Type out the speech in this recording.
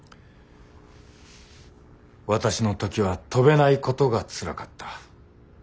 私の時は飛べないことがつらかった。